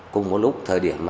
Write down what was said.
cùng một lúc thời điểm